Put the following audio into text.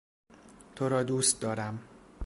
تورا دوست دارم.